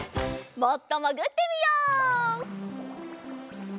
もっともぐってみよう。